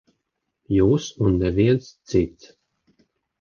Jūs un neviens cits.